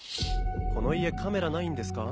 この家カメラないんですか？